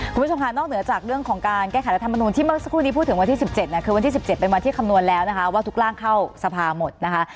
คุณผู้ชมค่ะนอกเหนือจากเรื่องของการแก้ไขรัฐมนุนที่เมื่อสักครู่นี้พูดถึงวันที่๑๗เนี่ยคือวันที่๑๗เป็นวันที่คำนวณแล้วนะคะว่าทุกร่างเข้าสภาหมดนะคะ